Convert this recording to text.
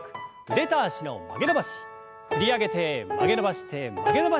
振り上げて曲げ伸ばして曲げ伸ばして振り下ろす。